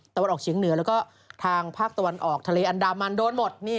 ออกเฉียงเหนือแล้วก็ทางภาคตะวันออกทะเลอันดามันโดนหมด